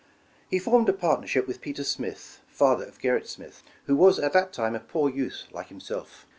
He formed a partnership with Peter Smith, father of Gerrit Smith, who was at that time a poor youth like himself.